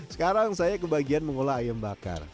sekarang saya kebagian mengolah ayam bakar